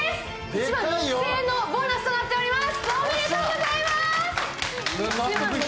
１万６０００円のボーナスとなっております。